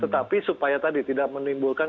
tetapi supaya tadi tidak menimbulkan